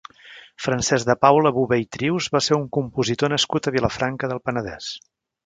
Francesc de Paula Bové i Trius va ser un compositor nascut a Vilafranca del Penedès.